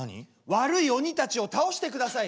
「悪い鬼たちを倒してください」。